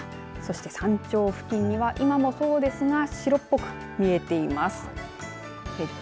そして山頂付近には今もそうですが白っぽく見えています。